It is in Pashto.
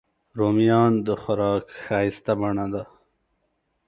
رومیان د خوراک ښایسته بڼه ده